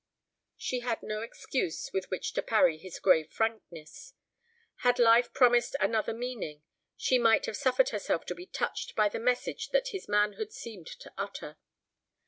She had no excuse with which to parry his grave frankness. Had life promised another meaning she might have suffered herself to be touched by the message that his manhood seemed to utter.